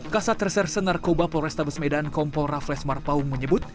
kasat reserse narkoba polrestabes medan kompol rafles marpaung menyebut